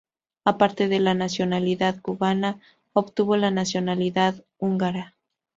A parte de la nacionalidad cubana obtuvo la nacionalidad húngara.